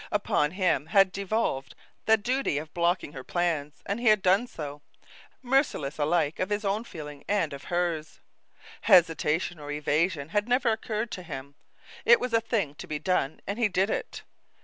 Upon him had devolved the duty of blocking her plans, and he had done so merciless alike of his own feeling and of hers. Hesitation or evasion had never occurred to him. It was a thing to be done, and he did it.